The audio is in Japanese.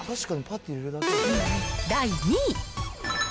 第２位。